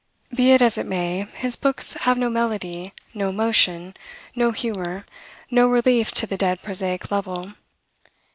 Be it as it may, his books have no melody, no emotion, no humor, no relief to the dead prosaic level.